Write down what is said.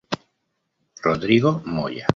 Rodrigo Moya.